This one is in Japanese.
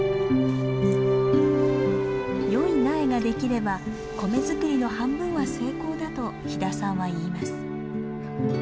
良い苗が出来れば米作りの半分は成功だと飛田さんは言います。